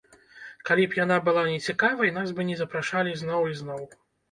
Калі б яна была нецікавай, нас бы не запрашалі зноў і зноў.